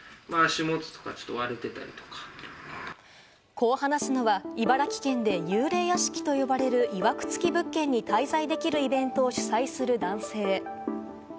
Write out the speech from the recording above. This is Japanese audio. こう話すのは茨城県で幽霊屋敷と呼ばれる、いわくつき物件に滞在できるイベントを主催する男性。